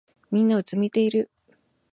みんなうつむいてる。